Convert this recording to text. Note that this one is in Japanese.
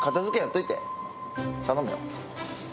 頼むよ。